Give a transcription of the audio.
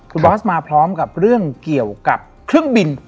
คุณบอสมาพร้อมกับเรื่องเกี่ยวกับเครื่องบิน